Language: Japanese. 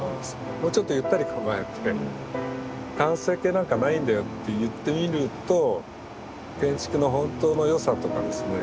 もうちょっとゆったり構えて完成形なんかないんだよって言ってみると建築の本当のよさとかですね